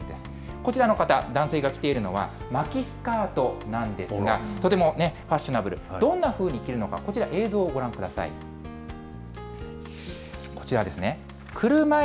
こちらの方、男性が着ているのは巻きスカートなんですが、とてもね、ファッショナブル、どんなふうに着てるのか、こちら映像をご覧ください。